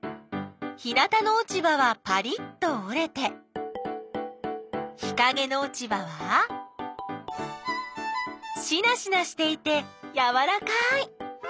日なたのおちばはパリッとおれて日かげのおちばはしなしなしていてやわらかい！